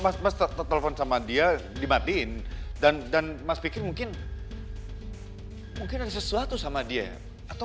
mas pas telepon sama dia dimatiin dan dan mas pikir mungkin ada sesuatu sama dia atau